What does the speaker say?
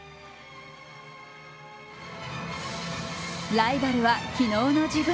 ライバルは昨日の自分。